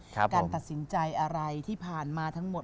การตัดสินใจอะไรที่ผ่านมาทั้งหมด